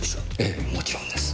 ええもちろんです。